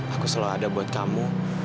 aku selalu ada buat kamu